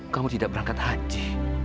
kamu tidak berangkat haji